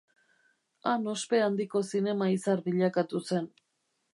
Han ospe handiko zinema-izar bilakatu zen.